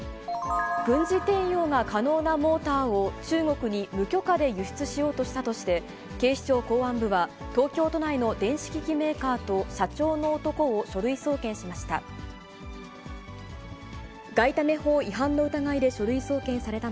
軍事転用が可能なモーターを中国に無許可で輸出しようとしたとして、警視庁公安部は、東京都内の電子機器メーカーと社長の男を書類送検しました。